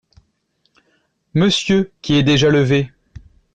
Monsieur qui est déjà levé !